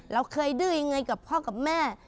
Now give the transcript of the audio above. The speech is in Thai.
เราเคยดื้อยังไงกับพ่อกับแม่